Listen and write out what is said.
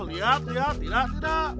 lihat lihat tidak tidak